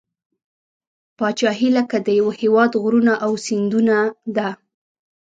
پاچهي لکه د یوه هیواد غرونه او سیندونه ده.